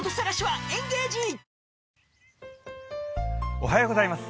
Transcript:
おはようございます。